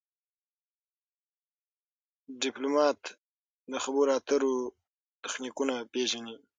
ډيپلومات د خبرو اترو تخنیکونه پېژني.